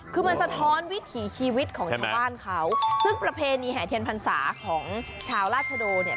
คือมันสะท้อนวิถีชีวิตของชาวบ้านเขาซึ่งประเพณีแห่เทียนพรรษาของชาวราชโดเนี่ย